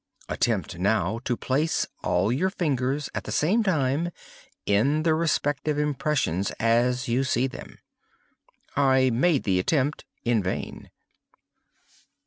Attempt, now, to place all your fingers, at the same time, in the respective impressions as you see them." I made the attempt in vain.